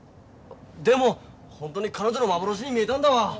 でも本当に彼女の幻に見えたんだわ。